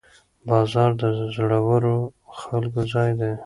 بازار د زړورو خلکو ځای دی.